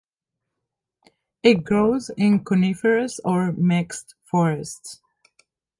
It grows in coniferous or mixed forests.